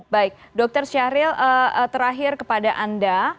baik dokter syahril terakhir kepada anda